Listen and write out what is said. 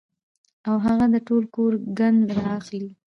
او هغه د ټول کور ګند را اخلي